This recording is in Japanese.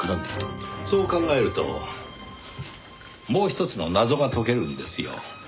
そう考えるともうひとつの謎が解けるんですよ。